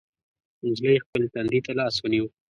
نجلۍ خپل تندي ته لاس ونيو.